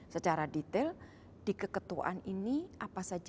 secara detail di keketuaan ini apa saja yang akan dilakukan indonesia